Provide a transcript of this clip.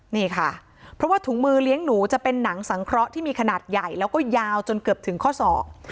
นี่ค่ะเพราะว่าถุงมือเลี้ยงหนูจะเป็นหนังสังเคราะห์ที่มีขนาดใหญ่แล้วก็ยาวจนเกือบถึงข้อศอก